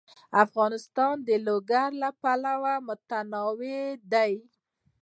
افغانستان د لوگر له پلوه متنوع دی.